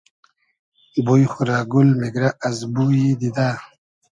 بوی خو رۂ گول میگرۂ از بویی دیدۂ